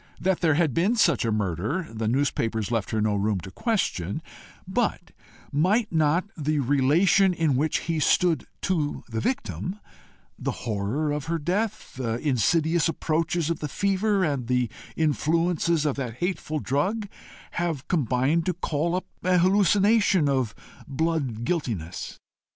That there had been such a murder, the newspapers left her no room to question but might not the relation in which he stood to the victim the horror of her death, the insidious approaches of the fever, and the influences of that hateful drug, have combined to call up an hallucination of blood guiltiness?